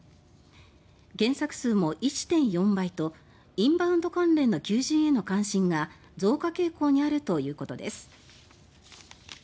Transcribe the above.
検索数も１．４倍とインバウンド関連の求人への関心が増加傾向にあるということです。